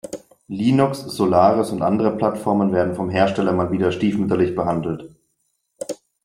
Linux, Solaris und andere Plattformen werden vom Hersteller mal wieder stiefmütterlich behandelt.